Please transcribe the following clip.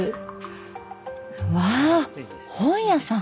わあ本屋さん！